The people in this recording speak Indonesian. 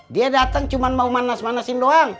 dia datang cuma mau manas manasin doang